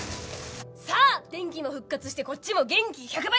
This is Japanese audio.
さあ電気も復活してこっちも元気１００倍！